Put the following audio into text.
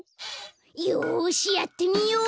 よしやってみよう！